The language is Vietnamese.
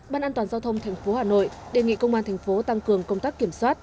ban an toàn giao thông thành phố hà nội đề nghị công an thành phố tăng cường công tác kiểm soát